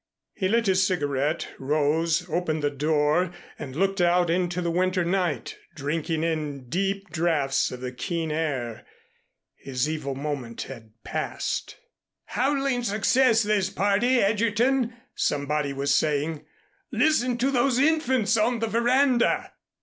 He lit his cigarette, rose, opened the door, and looked out into the winter night, drinking in deep draughts of the keen air. His evil moment had passed. "Howling success, this party, Egerton," somebody was saying. "Listen to those infants on the veranda."